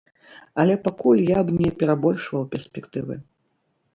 Але пакуль я б не перабольшваў перспектывы.